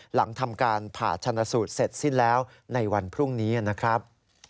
หลังทำการผ่าชนะสูตรเสร็จสิ้นแล้วในวันพรุ่งนี้นะครับ